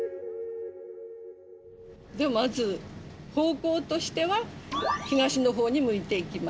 まず方向としては東のほうに向いて行きます。